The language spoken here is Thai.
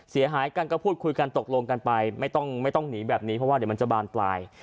เสียหายกันก็พูดคุยกันตกลงกันไปไม่ต้องไม่ต้องหนีแบบนี้เพราะว่าเดี๋ยวมันจะบานปลาย